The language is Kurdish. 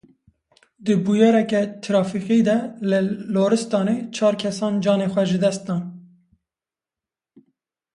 Di bûyereke trafîkê de li Loristanê çar kesan canê xwe ji dest dan.